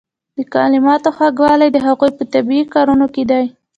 د کلماتو خوږوالی د هغوی په طبیعي کارونه کې دی.